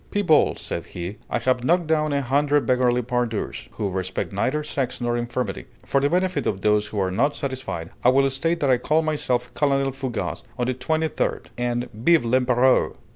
"People," said he, "I have knocked down a hundred beggarly pandours, who respect neither sex nor infirmity. For the benefit of those who are not satisfied, I will state that I call myself Colonel Fougas of the Twenty third. And _Vive l'Empéreur!